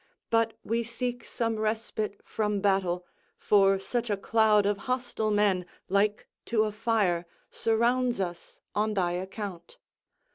But we seek some respite from battle, for such a cloud of hostile men, like to a fire, surrounds us, on thy account.